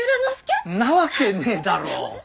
んなわけねえだろう。